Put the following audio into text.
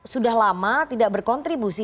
sudah lama tidak berkontribusi